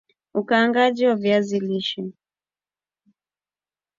Ukaangaji wa viazi lishe